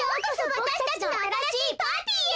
わたしたちのあたらしいパーティーへ！